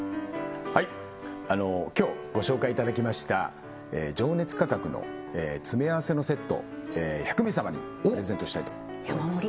はい今日ご紹介いただきました情熱価格の詰め合わせのセットを１００名様にプレゼントしたいと思います